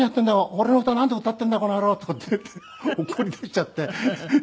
俺の歌なんで歌ってんだこの野郎！」とかって怒りだしちゃって。